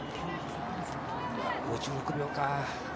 ５６秒か。